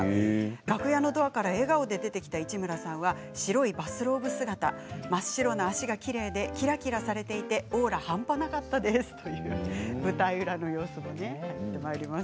楽屋のドアから笑顔で出てきた市村さんは白いバスローブ姿真っ白な脚がきれいでキラキラされていてオーラが半端なかったですということです。